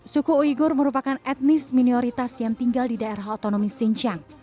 suku uyghur merupakan etnis minoritas yang tinggal di daerah otonomi xinjiang